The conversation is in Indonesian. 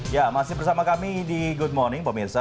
ya masih bersama kami di good morning pemirsa